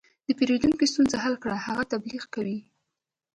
د پیرودونکي ستونزه حل کړه، هغه تبلیغ کوي.